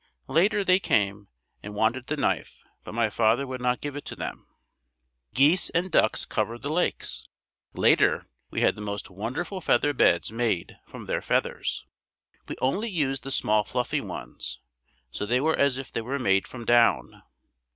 Later they came and wanted the knife but my father would not give it to them. Geese and ducks covered the lakes. Later we had the most wonderful feather beds made from their feathers. We only used the small fluffy ones, so they were as if they were made from down.